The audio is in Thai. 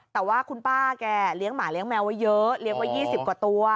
แต่ว่าคุณป้าแกเลี้ยงหมาเลี้ยแมวไว้เยอะเลี้ยงไว้๒๐กว่าตัว